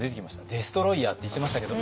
デストロイヤーって言ってましたけども。